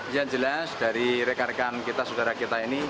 yang jelas dari rekan rekan kita saudara kita ini